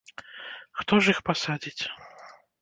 Хто ж іх пасадзіць?!